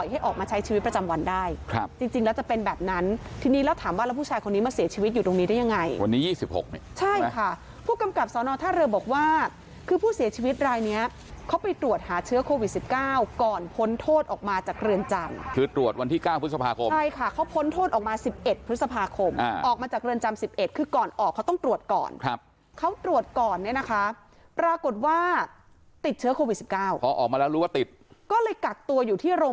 ยังไงวันนี้๒๖ใช่ค่ะผู้กำกับสอนท่าเรียบบอกว่าคือผู้เสียชีวิตรายเนี้ยเขาไปตรวจหาเชื้อโควิด๑๙ก่อนพ้นโทษออกมาจากเรือนจำคือตรวจวันที่๙พฤษภาคมใช่ค่ะเขาพ้นโทษออกมา๑๑พฤษภาคมออกมาจากเรือนจำ๑๑คือก่อนออกเขาต้องตรวจก่อนครับเขาตรวจก่อนเนี้ยนะคะปรากฏว่าติดเชื้อโควิ